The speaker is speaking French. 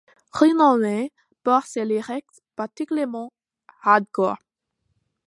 Renommé pour ses lyrics particulièrement hardcore.